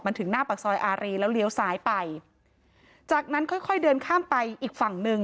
มันถึงหน้าปากซอยอารีแล้วเลี้ยวซ้ายไปจากนั้นค่อยค่อยเดินข้ามไปอีกฝั่งหนึ่ง